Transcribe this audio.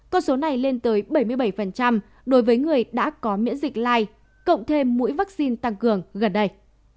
con số này lên tới bảy mươi bảy đối với người đã có miễn dịch lai cộng thêm mũi vaccine tăng cường gần đây